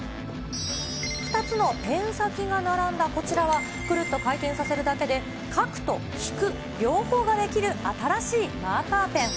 ２つのペン先が並んだこちらは、くるっと回転させるだけで書くと引く、両方ができる新しいマーカーペン。